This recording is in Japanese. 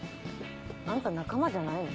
あんた仲間じゃないの？